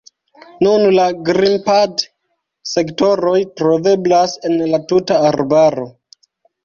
Nun, la grimpad-sektoroj troveblas en la tuta arbaro.